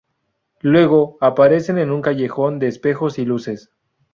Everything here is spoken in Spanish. Luego, aparecen en un callejón de espejos y luces.